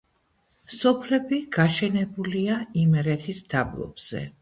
სოფლები გაშენებულია იმერეთის დაბლობზე.